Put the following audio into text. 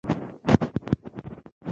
موزیک بې له وینا ډېری خبرې کوي.